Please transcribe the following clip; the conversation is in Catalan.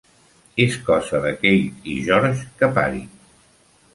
És cosa de Kate i George que parin.